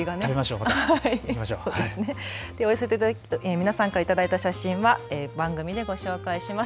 皆さんから頂いた写真は番組でご紹介します。